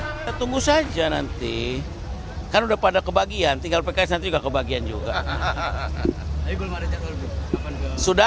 kita tunggu saja nanti kan udah pada kebagian tinggal pks nanti juga kebagian juga